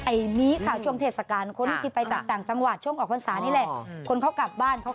อันนี้ค่ะช่วงเทศกาลคนที่ไปต่างจังหวัดช่วงออกความสารนี่แหละ